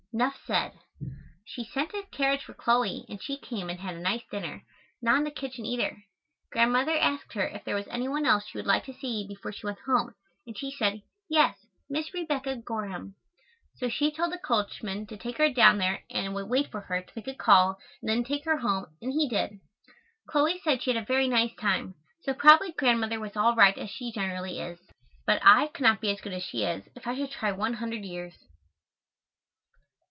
(nuff ced). She sent a carriage for Chloe and she came and had a nice dinner, not in the kitchen either. Grandmother asked her if there was any one else she would like to see before she went home and she said, "Yes, Miss Rebekah Gorham," so she told the coachman to take her down there and wait for her to make a call and then take her home and he did. Chloe said she had a very nice time, so probably Grandmother was all right as she generally is, but I could not be as good as she is, if I should try one hundred years.